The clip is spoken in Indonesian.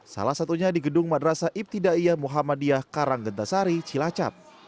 salah satunya di gedung madrasa ibtidaiyah muhammadiyah karang genta sari cilacap